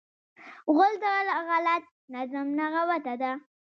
غول د غلط نظم نغوته ده.